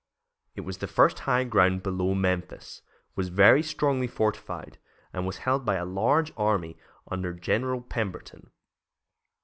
It was the first high ground below Memphis, was very strongly fortified, and was held by a large army under General Pemberton.